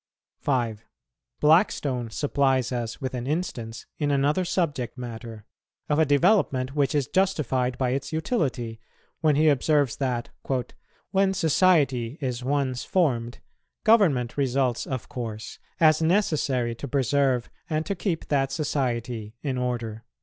5. Blackstone supplies us with an instance in another subject matter, of a development which is justified by its utility, when he observes that "when society is once formed, government results of course, as necessary to preserve and to keep that society in order."